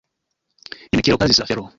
Jen kiel okazis la afero!